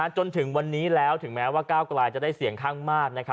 จนถึงวันนี้แล้วถึงแม้ว่าก้าวกลายจะได้เสียงข้างมาก